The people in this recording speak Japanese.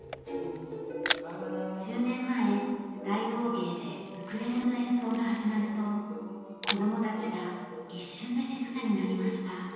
１０年前大道芸でウクレレの演奏が始まると子供たちが一瞬で静かになりました。